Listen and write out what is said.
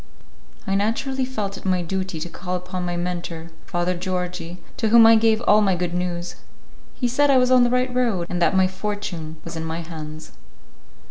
I naturally felt it my duty to call upon my mentor, Father Georgi, to whom I gave all my good news. He said I was on the right road, and that my fortune was in my hands.